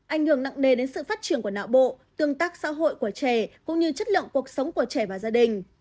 ảnh hưởng nặng nề đến sự phát triển của não bộ tương tác xã hội của trẻ cũng như chất lượng cuộc sống của trẻ và gia đình